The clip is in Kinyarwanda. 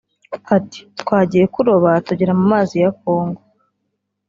Ati “Twagiye kuroba tugera mu mazi ya Congo